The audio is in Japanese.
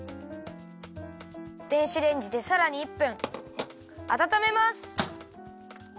電子レンジでさらに１分あたためます。